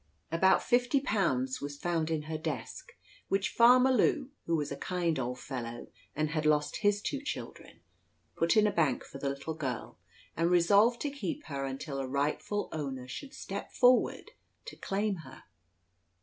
About fifty pounds was found in her desk, which Farmer Lew, who was a kind old fellow and had lost his two children, put in bank for the little girl, and resolved to keep her until a rightful owner should step forward to claim her.